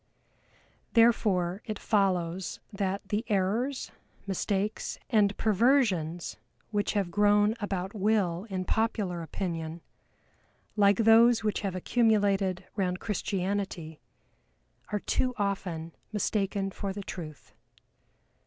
Therefore it follows, that the errors, mistakes, and perversions which have grown about Will in popular opinion, like those which have accumulated round Christianity, are too often mistaken for the truth.